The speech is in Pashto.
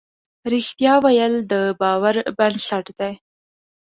رښتیا ویل د باور بنسټ دی.